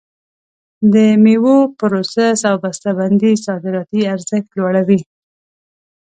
د میوو پروسس او بسته بندي صادراتي ارزښت لوړوي.